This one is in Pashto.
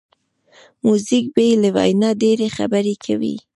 موزیک بې له وینا ډېری خبرې کوي.